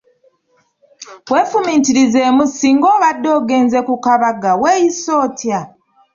Weefumiitirizeemu singa obadde ogenze ku kabaga, weeyisa otya?